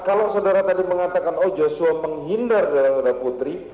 kalau saudara tadi mengatakan oh joshua menghindar saudara putri